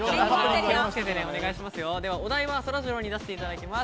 お題はそらジローに出していただきます。